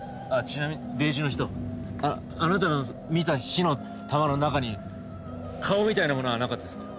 ちなみにベージュの人あなたが見た火の玉の中に顔みたいなものはなかったですか？